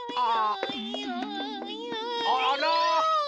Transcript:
あら！